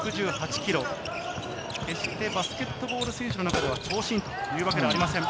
決してバスケットボール選手の中では長身というわけではありません。